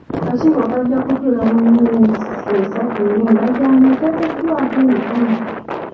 Akakiiko kajja kutuula mu myezi esatu ng'endagaano eteereddwako emikono.